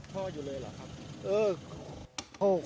พ่ออยู่เลยเหรอครับ